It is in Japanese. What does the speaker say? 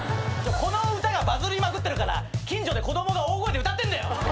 この歌がバズりまくってるから近所で子供が大声で歌ってんだよ。